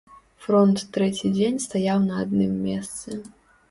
Фронт трэці дзень стаяў на адным месцы.